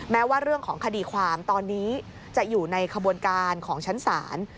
แม้ว่าเรื่องของคดีความตอนนี้จะอยู่ในขบวนการของชั้นศาล